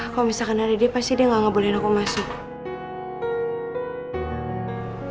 kalo misalkan ada dia pasti dia gak ngebolehin aku masuk